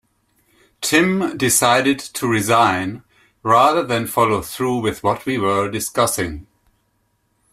Tim decided to resign rather than follow through with what we were discussing.